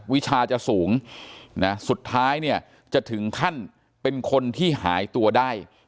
วิชาจะสูงนะสุดท้ายเนี่ยจะถึงขั้นเป็นคนที่หายตัวได้